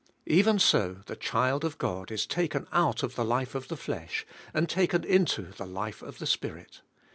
Even so the child of God is taken out of the life of the flesh and taken into the life of the Spirit.